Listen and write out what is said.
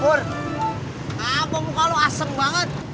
pur apa muka lu asem banget